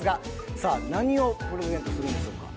さあ何をプレゼントするんでしょうか？